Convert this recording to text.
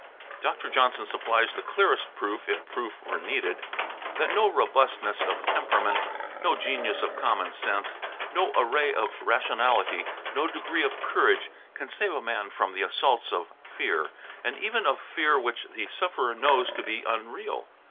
Dr. Johnson supplies the clearest proof, if proof were needed, that no robustness of temperament, no genius of common sense, no array of rationality, no degree of courage, can save a man from the assaults of fear, and even of fear which the sufferer knows to be unreal.